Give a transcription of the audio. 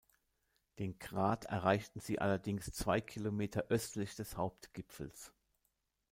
Den Grat erreichten sie allerdings zwei Kilometer östlich des Hauptgipfels.